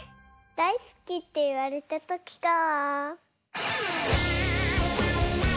「だいすき」っていわれたときか。